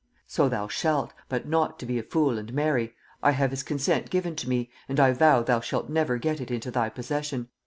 'So thou shalt, but not to be a fool and marry; I have his consent given to me, and I vow thou shalt never get it into thy possession.